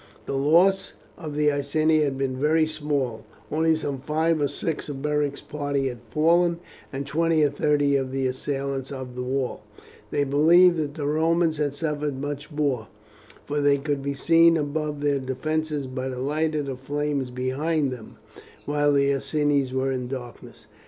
The loss of the Iceni had been very small, only some five or six of Beric's party had fallen, and twenty or thirty of the assailants of the wall; they believed that the Romans had suffered much more, for they could be seen above their defences by the light of the flames behind them, while the Iceni were in darkness.